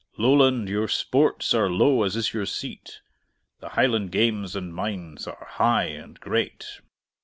Lowland, your sports are low as is your seat; The Highland games and minds are high and great?